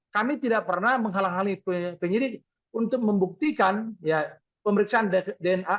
kami tidak pernah menghalang hali penyidik untuk membuktikan pemeriksaan dna